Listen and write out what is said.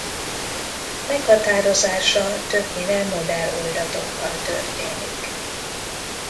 Meghatározása többnyire modell oldatokkal történik.